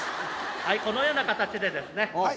はいこのような形でですね